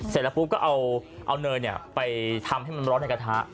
เสร็จแล้วปุ๊บก็เอาเนยไปทำให้มันร้อนในกระทะ